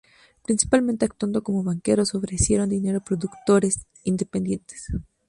Principalmente actuando como banqueros, ofrecieron dinero a productores independientes.